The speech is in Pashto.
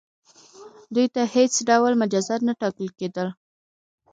دوی ته هیڅ ډول مجازات نه ټاکل کیدل.